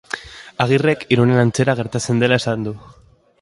Agirrek Irunen antzera gertatzen dela esan du.